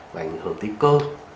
và ảnh hưởng tới cơ